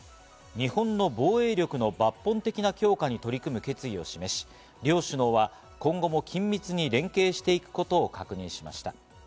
日本の防衛力の抜本的な強化に取り組む決意を示し、両首脳は今後も緊密に連携していくことを確認しました。